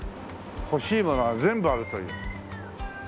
欲しいものは全部あるという。